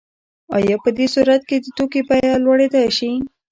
آیا په دې صورت کې د توکي بیه لوړیدای شي؟